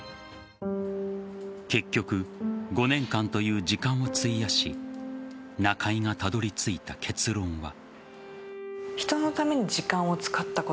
結局、５年間という時間を費やし中井がたどり着いた結論は。